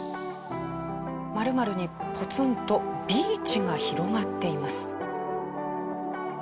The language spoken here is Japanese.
○○にポツンとビーチが広がっています。